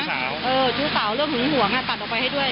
ชู้สาวเออชู้สาวเริ่มหวงหวงอ่ะตัดออกไปให้ด้วย